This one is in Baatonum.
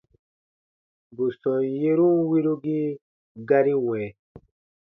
Bù sɔm yerun wirugii gari wɛ̃.